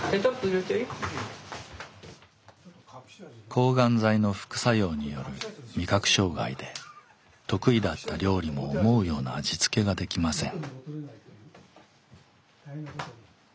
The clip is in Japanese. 抗がん剤の副作用による味覚障害で得意だった料理も思うような味付けができません。